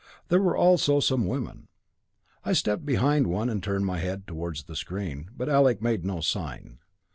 There were also some women. I stepped behind one, and turned my head towards the screen, but Alec made no sign.